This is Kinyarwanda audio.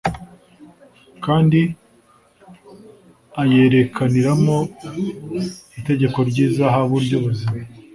kandi ayerekaniramo itegeko ry'izahabu ry'ubuzima.